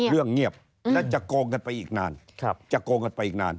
เรื่องเงียบและจะโกงกันไปอีกนาน